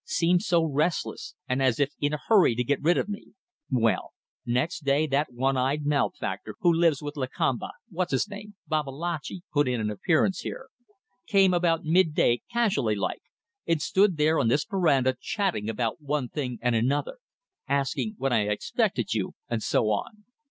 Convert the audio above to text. Seemed so restless, and as if in a hurry to get rid of me. Well. Next day that one eyed malefactor who lives with Lakamba what's his name Babalatchi, put in an appearance here! Came about mid day, casually like, and stood there on this verandah chatting about one thing and another. Asking when I expected you, and so on.